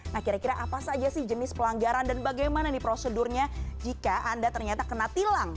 nah kira kira apa saja sih jenis pelanggaran dan bagaimana nih prosedurnya jika anda ternyata kena tilang